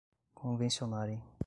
convencionarem